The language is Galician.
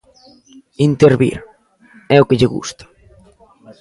Intervir, é o que lle gusta.